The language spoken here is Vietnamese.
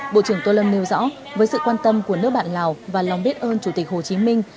bộ trưởng tô lâm nêu rõ với sự quan tâm của nước bạn lào và lòng biết ơn chủ tịch hồ chí minh